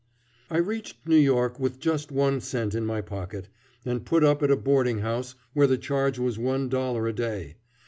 I reached New York with just one cent in my pocket, and put up at a boarding house where the charge was one dollar a day.